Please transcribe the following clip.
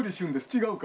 違うか。